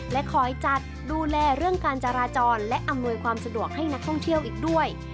และคอยจัดดูแลเรื่องการจราจรและอำนวยความสะดวกให้นักท่องเที่ยวอีกด้วย